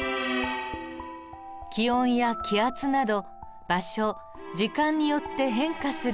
気温や気圧など場所時間によって変化する体外環境。